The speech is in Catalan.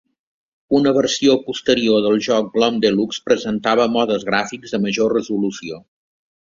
Una versió posterior del joc, "Gloom Deluxe", presentava modes gràfics de major resolució.